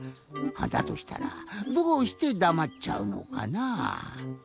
だとしたらどうしてだまっちゃうのかなぁ。